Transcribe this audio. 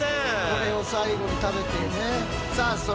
これを最後に食べてね。